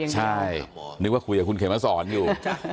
ใช่คุยกับคุณเขมร์ศรอยู่